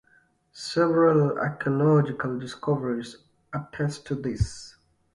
Several archaeological discoveries attest to this.